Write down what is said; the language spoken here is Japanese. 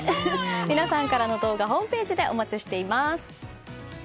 皆さんからの動画ホームページでお待ちしています。